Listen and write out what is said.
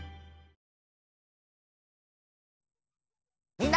みんな。